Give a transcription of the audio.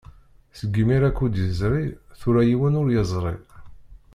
Seg imir akud yezri, tura yiwen ur yeẓri.